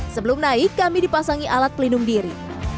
sebelum naik kami dipasangi alat pelindung diri